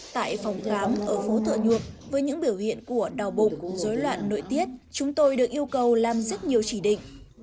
tại phòng khám ở phố thợ nhuộc với những biểu hiện của đào bụng dối loạn nội tiết chúng tôi được yêu cầu làm rất nhiều chỉ định